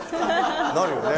なるよね？